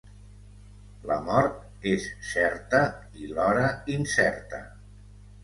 La mort és certa i l'hora incerta.